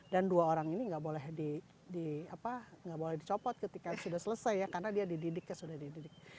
dan dua orang ini nggak boleh dicopot ketika sudah selesai karena dia dididiknya sudah dididik